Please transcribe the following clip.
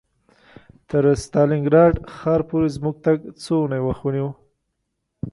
تر ستالینګراډ ښار پورې زموږ تګ څو اونۍ وخت ونیو